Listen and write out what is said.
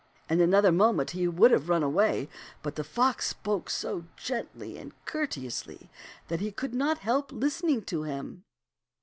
In another moment he would have run away, but the fox spoke so gently and courteously that he could not help listening to him.